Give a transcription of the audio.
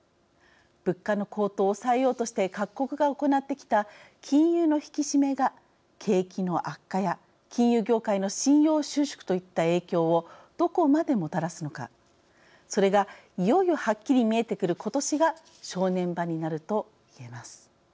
物価の高騰を抑えようとして各国が行ってきた金融の引き締めが景気の悪化や金融業界の信用収縮といった影響をどこまでもたらすのかそれがいよいよはっきり見えてくる今年が正念場になると言えます。